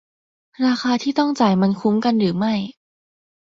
ราคาที่ต้องจ่ายมันคุ้มกันหรือไม่